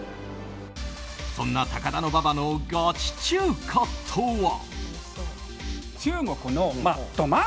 そんな高田馬場のガチ中華とは。